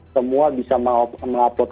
semua bisa mengupload